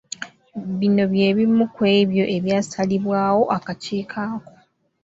Bino bye bimu kw'ebyo ebyasalibwawo akakiiko ako.